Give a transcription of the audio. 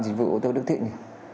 dịch vụ ô tô đức thịnh